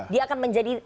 dia akan menjadi